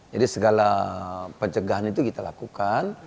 jadi segala pencegahan itu kita lakukan